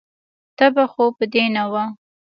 تبه خو به دې نه وه.